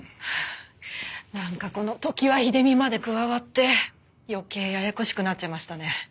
なんかこの常盤秀美まで加わって余計ややこしくなっちゃいましたね。